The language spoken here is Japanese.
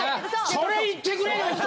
それ言ってくれないと！